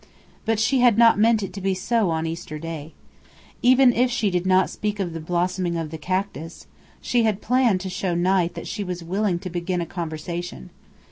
But she had not meant it to be so on this Easter Day. Even if she did not speak of the blossoming of the cactus, she had planned to show Knight that she was willing to begin a conversation.